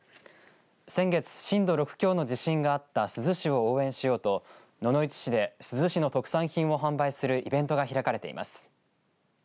先月、震度６強の地震があった珠洲市を応援しようと野々市市で珠洲市の特産品を販売するイベントが開かれています。